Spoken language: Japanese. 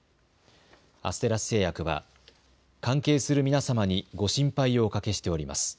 アステラス製薬は関係する皆様にご心配をおかけしております。